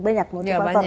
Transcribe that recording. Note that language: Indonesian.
banyak motivator kan